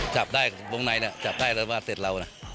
จับได้วงในจับได้แล้วว่าเสร็จเรานะ